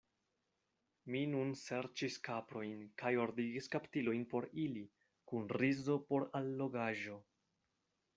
Mi nun serĉis kaprojn, kaj ordigis kaptilojn por ili, kun rizo por allogaĵo.